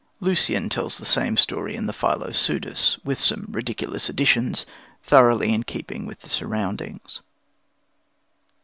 Lucian tells the same story in the Philopseudus, with some ridiculous additions, thoroughly in keeping with the surroundings.